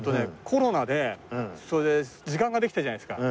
コロナでそれで時間ができたじゃないですか。